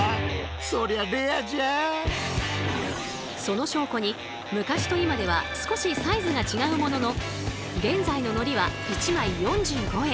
その証拠に昔と今では少しサイズが違うものの現在の海苔は１枚４５円。